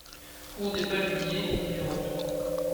Cour des Paludiers au numéro deux